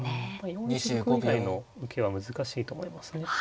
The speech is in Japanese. ４一玉以外の受けは難しいと思いますね。